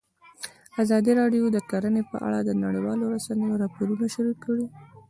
ازادي راډیو د کرهنه په اړه د نړیوالو رسنیو راپورونه شریک کړي.